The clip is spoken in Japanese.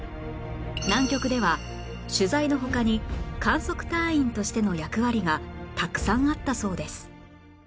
南極では取材の他に観測隊員としての役割がたくさんあったそうです